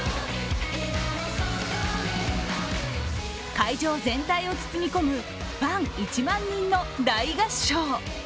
会場全体を包み込むファン１万人の大合唱。